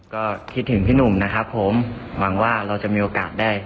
ก็คิดถึงพี่หนุ่มนะครับผมหวังว่าเราจะมีโอกาสได้